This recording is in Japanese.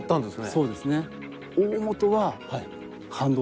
そうですね。